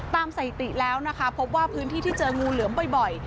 สถิติแล้วนะคะพบว่าพื้นที่ที่เจองูเหลือมบ่อย